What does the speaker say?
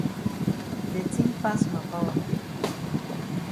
De tin pass ma power.